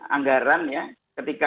anggaran ya ketika